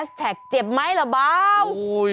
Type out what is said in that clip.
โอ้โฮแพสแท็กเจ็บไหมล่ะเบาโอ้โฮ